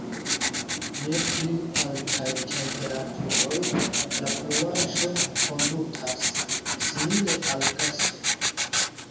Je pli altaj temperaturoj, la fluaĵo kondutas simile al gaso.